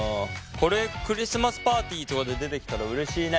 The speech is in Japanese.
これクリスマスパーティーとかで出てきたらうれしいね。